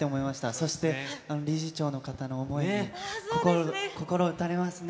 そして、理事長の方の想いにも、心打たれますね。